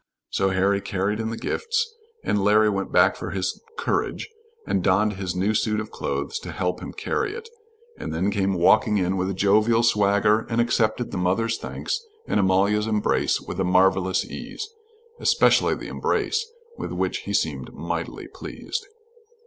So Harry carried in the gifts and Larry went back for his "courage" and donned his new suit of clothes to help him carry it, and then came walking in with a jovial swagger, and accepted the mother's thanks and Amalia's embrace with a marvelous ease, especially the embrace, with which he seemed mightily pleased.